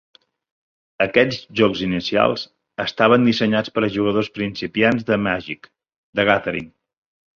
Aquests jocs inicials estaven dissenyats per a jugadors principiants de "Magic: The Gathering".